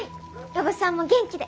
おばさんも元気で！